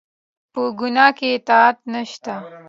په ګناه کې اطاعت نشته